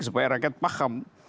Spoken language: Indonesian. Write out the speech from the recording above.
supaya rakyat paham